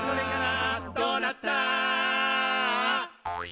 「どうなった？」